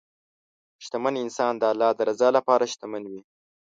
شتمن انسان د الله د رضا لپاره شتمن وي.